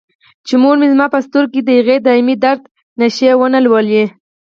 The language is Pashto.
چې مور مې زما په سترګو کې د هغه دایمي درد نښې ونه لولي.